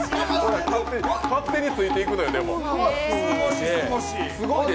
勝手についていくのよ。